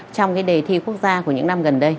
trong cái đề thi quốc gia của những năm gần đây